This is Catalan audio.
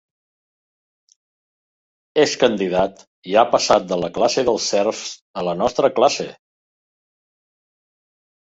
És candidat, i ha passat de la classe dels serfs a la nostra classe.